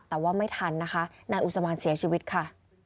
แต่ว่าไม่ทันนะคะนายอุศมานเสียชีวิตค่ะ